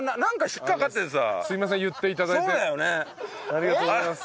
ありがとうございます。